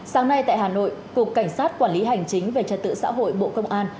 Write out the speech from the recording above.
sáng nay tại hà nội cục cảnh sát quản lý hành chính về trật tự xã hội bộ công an